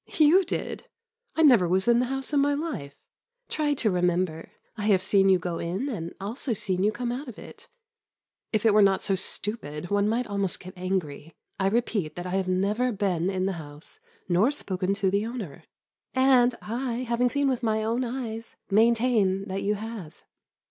"You did! I never was in the house in my life." "Try to remember. I have seen you go in and also seen you come out of it." "If it were not so stupid, one might almost get angry. I repeat that I have never been in the house, nor spoken to the owner." "And I, having seen with my own eyes, maintain that you have."